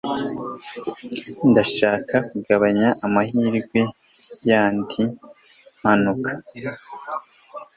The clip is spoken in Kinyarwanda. Ndashaka kugabanya amahirwe yandi mpanuka.